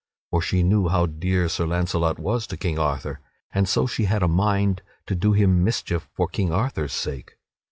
For she too knew how dear Sir Launcelot was to King Arthur, and so she had a mind to do him mischief for King Arthur's sake.